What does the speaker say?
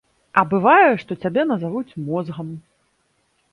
А бывае, што цябе назавуць мозгам.